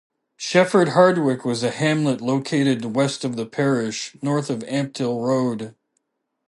Shefford Hardwick was a hamlet located west of the parish, north of Ampthill Road.